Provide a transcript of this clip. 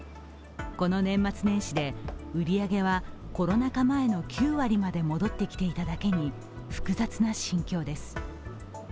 この年末年始で売り上げはコロナ禍前の９割まで戻ってきていただけに複雑な心境です。